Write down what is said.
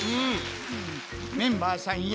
メンバーさんや。